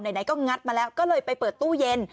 ไหนก็งัดมาแล้วก็เลยไปเปิดตู้เย็น